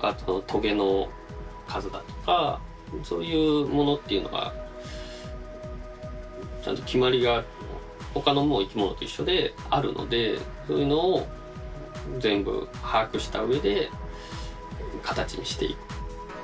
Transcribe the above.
あとトゲの数だとかそういうものっていうのがちゃんと決まりが他の生き物と一緒であるのでそういうのを全部把握したうえで形にしていく。